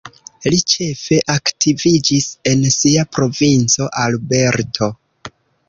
Li ĉefe aktiviĝis en sia provinco Alberto.